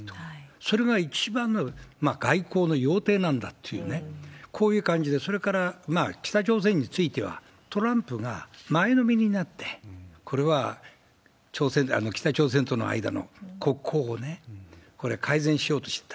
それが一番の外交の要諦なんだっていうね、こういう感じで、それから、北朝鮮については、トランプが前のめりになって、これは北朝鮮との間の国交をね、これ、改善しようとしてた。